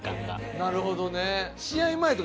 なるほどね。